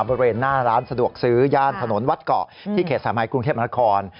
บริเวณหน้าร้านสะดวกซื้อย่านถนนวัดเกาะที่เขตสามัยกรุงเทพมนาคม